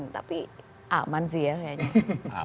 tapi aman sih ya